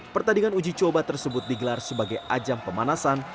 pertandingan uji coba tersebut digelar sebagai ajang pemanasan